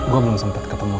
gua belum sempat ketemu nino